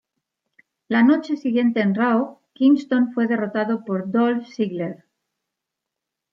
La noche siguiente en Raw, Kingston fue derrotado por Dolph Ziggler.